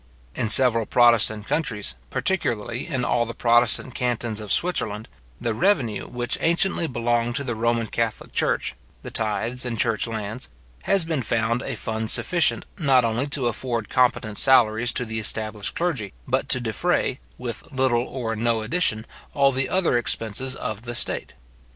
In several protestant countries, particularly in all the protestant cantons of Switzerland, the revenue which anciently belonged to the Roman catholic church, the tithes and church lands, has been found a fund sufficient, not only to afford competent salaries to the established clergy, but to defray, with little or no addition, all the other expenses of the state.